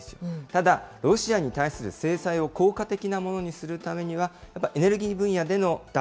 ただ、ロシアに対する制裁を効果的なものにするためには、やっぱりエネルギー分野での脱